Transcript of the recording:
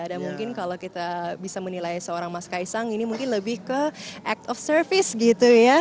dan mungkin kalau kita bisa menilai seorang mas kaisang ini mungkin lebih ke act of service gitu ya